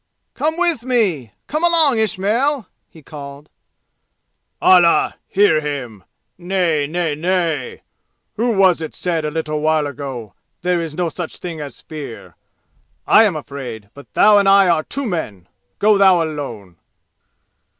"Come with me! Come along, Ismail!" he called. "Allah! Hear him! Nay, nay, nay! Who was it said a little while ago, 'There is no such thing as fear!' I am afraid, but thou and I are two men! Go thou alone!"